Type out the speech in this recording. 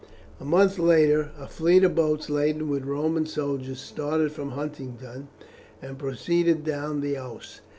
A month later a fleet of boats laden with Roman soldiers started from Huntingdon and proceeded down the Ouse.